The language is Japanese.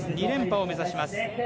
２連覇を目指します。